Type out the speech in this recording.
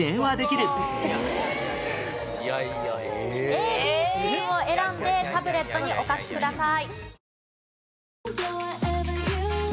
ＡＢＣを選んでタブレットにお書きください。